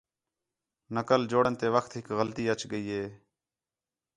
نقل جوڑݨ تے وخت ہِک غلطی اَچ ڳئی ہِے